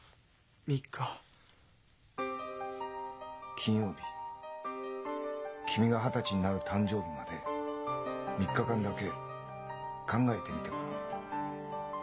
金曜日君が二十歳になる誕生日まで３日間だけ考えてみてごらん。